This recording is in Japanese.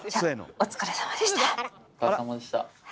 お疲れさまです。